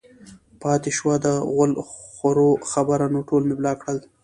پاتې شوه د غول خورو خبره نو ټول مې بلاک کړل